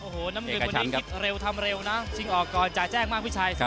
โอ้โหน้ำเงินเร็วทำเร็วนะชิงออกก่อนจ่ายแจ้งมากพี่ชัยครับ